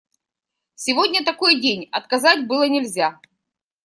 Сегодня такой день – отказать было нельзя.